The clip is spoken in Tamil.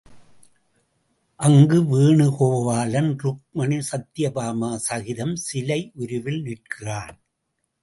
அங்கு வேணு கோபாலன் ருக்மணி சத்யபாமா சகிதம் சிலை உருவில் நிற்கிறான்.